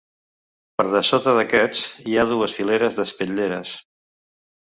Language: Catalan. Per dessota d'aquests, hi ha dues fileres d'espitlleres.